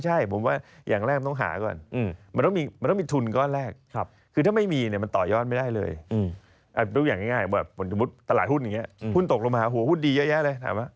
เช่นเหมือนตลาดหุ้นหุ้นตกลงมาหัวหุ้นดีแย่เลย